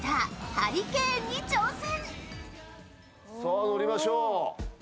ハリケーンに挑戦。